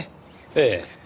ええ。